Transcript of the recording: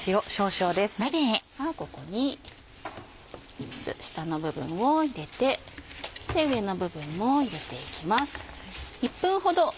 ここに下の部分を入れてそして上の部分も入れていきます。